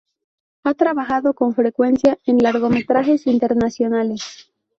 Ha trabajado con frecuencia en largometrajes internacionales.